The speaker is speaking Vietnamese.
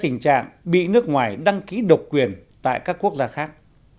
tình trạng bị nước ngoài đăng ký độc quyền tại các quốc gia khác